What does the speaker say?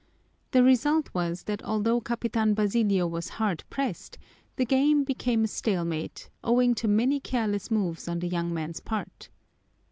The result was that although Capitan Basilio was hard pressed the game became a stalemate, owing to many careless moves on the young man's part.